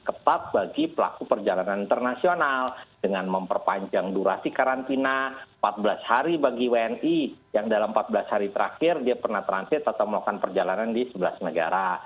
ketat bagi pelaku perjalanan internasional dengan memperpanjang durasi karantina empat belas hari bagi wni yang dalam empat belas hari terakhir dia pernah transit atau melakukan perjalanan di sebelas negara